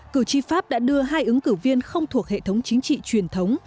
cử tri pháp đã đưa hai ứng cử viên không thuộc hệ thống chính trị truyền thống